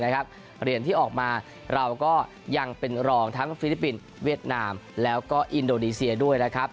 เหรียญที่ออกมาเราก็ยังเป็นรองทั้งฟิลิปปินส์เวียดนามแล้วก็อินโดนีเซียด้วยนะครับ